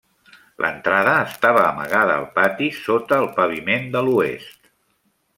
L'entrada estava amagada al pati sota el paviment de l'oest.